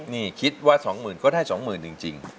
นี่คิดว่าสองหมื่นก็ได้สองหมื่นจริงจริง